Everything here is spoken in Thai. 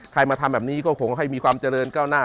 มาทำแบบนี้ก็คงให้มีความเจริญก้าวหน้า